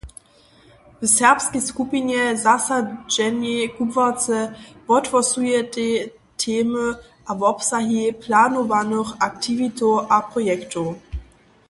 W serbskej skupinje zasadźenej kubłarce wothłosujetej temy a wobsahi planowanych aktiwitow a projektow.